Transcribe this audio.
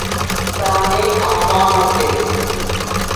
Tsame akamote.